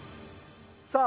さあ。